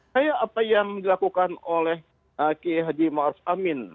saya apa yang dilakukan oleh h t i